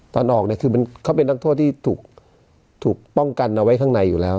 ตอนออกเนี่ยคือเขาเป็นนักโทษที่ถูกป้องกันเอาไว้ข้างในอยู่แล้ว